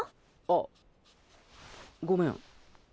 あごめん。